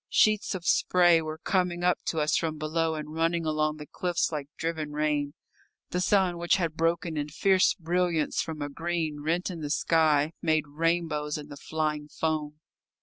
Sheets of spray were coming up to us from below and running along the cliffs like driven rain. The sun, which had broken in fierce brilliance from a green rent in the sky, made rainbows in the flying foam.